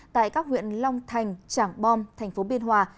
tại các huyện long thành trảng bom tp biên hòa